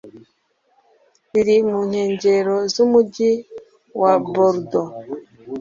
riri mu nkengero z'umugi wa Bordeaux.